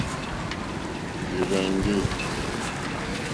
Mbèrzà èŋɡê.